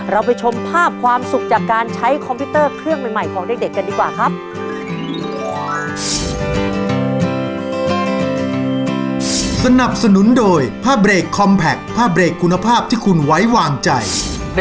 เราไปชมภาพความสุขจากการใช้คอมพิวเตอร์เครื่องใหม่ของเด็กกันดีกว่าครับ